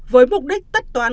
với mục đích tất toán